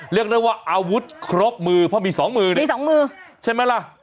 เรียกได้ว่าอาวุธครบมือเพราะมี๒มือเนี่ยใช่มั้ยละ